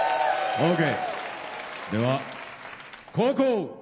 ＯＫ